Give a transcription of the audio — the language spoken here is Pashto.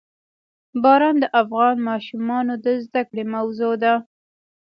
باران د افغان ماشومانو د زده کړې موضوع ده.